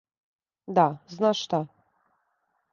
Да, знаш шта?